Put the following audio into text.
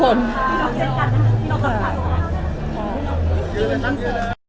โปรดติดตามตอนต่อไป